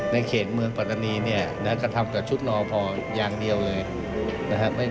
ในเขตเมืองปัตตานีเนี่ยนะกระทำกับชุดนอพออย่างเดียวเลยนะครับ